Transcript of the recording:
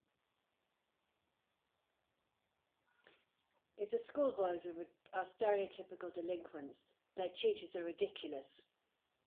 If the schoolboys are stereotypical delinquents, their teachers are ridiculous.